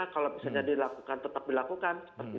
kalau misalnya dilakukan tetap dilakukan